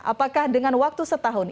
apakah dengan waktu setahun